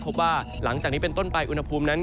พบว่าหลังจากนี้เป็นต้นไปอุณหภูมินั้น